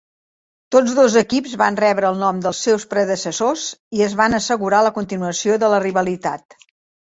Tots dos equips van rebre el nom dels seus predecessors i es van assegurar la continuació de la rivalitat.